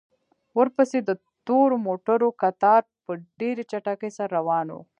ورپسې د تورو موټرو کتار په ډېرې چټکۍ سره روان و.